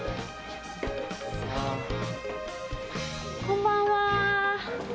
こんばんは。